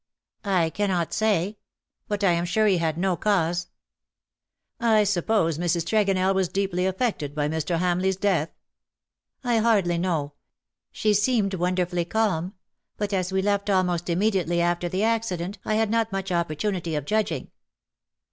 I cannot sav ; but I am sure he had no '^ TIME TURNS THE OLD DAYS TO DERISION." 161 " I suppose Mrs. Tregonell was deeply affected by Mr. Hamleigh's death?" " I hardly know. She seemed wonderfully calm ; but as we left almost immediately after the acci dent I had not much opportunity of judging."